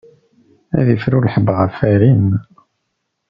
Ad ifru lḥebb ɣef alim.